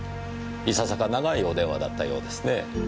いささか長いお電話だったようですねぇ。